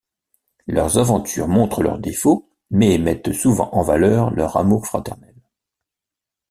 Leurs aventures montrent leurs défauts, mais mettent souvent en valeur leur amour fraternel.